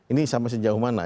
ini sampai sejauh mana